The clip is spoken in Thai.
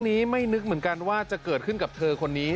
นี้ไม่นึกเหมือนกันว่าจะเกิดขึ้นกับเธอคนนี้